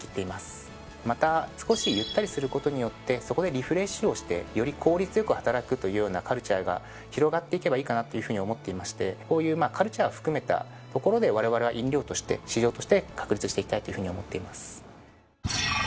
また少しゆったりすることによってそこでリフレッシュをしてより効率よく働くというようなカルチャーが広がっていけばいいかなっていうふうに思っていましてこういうカルチャー含めたところでわれわれは飲料として市場として確立していきたいというふうに思っています。